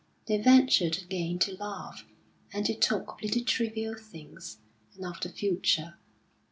They ventured again to laugh, and to talk of little trivial things, and of the future.